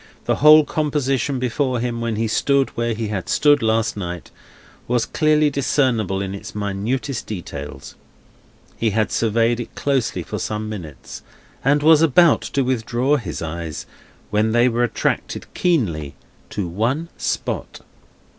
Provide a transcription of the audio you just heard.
The whole composition before him, when he stood where he had stood last night, was clearly discernible in its minutest details. He had surveyed it closely for some minutes, and was about to withdraw his eyes, when they were attracted keenly to one spot.